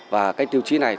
và cái tiêu chí này